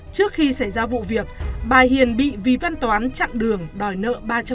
trước khi xảy ra vụ việc bà hiền bị vì văn toán chặn đường đòi nợ ba trăm linh triệu đồng nhưng không trả